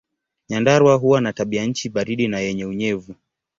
Nyandarua huwa na tabianchi baridi na yenye unyevu.